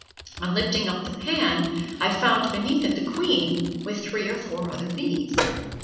On lifting up the pan, I found beneath it the queen with three or four other bees.